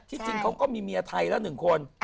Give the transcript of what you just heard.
ที่จริงเขาก็มีเมียไทยละหนึ่งคน